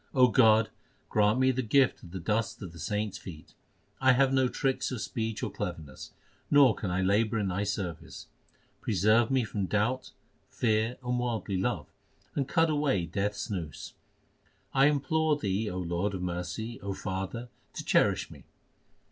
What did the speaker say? God, grant me the gift of the dust of the saints feet. 1 have no tricks of speech or cleverness, nor can I labour in Thy service. Preserve me from doubt, fear, and worldly love, and cut away Death s noose. I implore Thee, O Lord of mercy, O Father, to cherish me